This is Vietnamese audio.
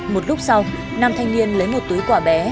một lúc sau nam thanh niên lấy một túi quả bé